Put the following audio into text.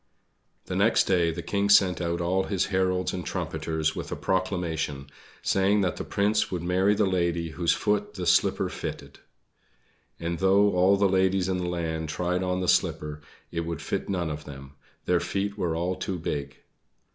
The next day the King sent out all his heralds and trumpeters with a Proclamation, saying that the Prince would marry the lady whose foot the slipper fitted. But though all the ladies in the land tried on the slipper it would fit none of them their feet were all too big!